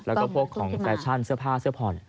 แล้วก็พวกของแฟชั่นเสื้อผ้าเสื้อผ่อน